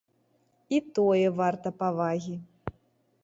І тое варта павагі.